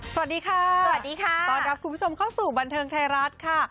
สวัสดีค่ะสวัสดีค่ะต้อนรับคุณผู้ชมเข้าสู่บันเทิงไทยรัฐค่ะ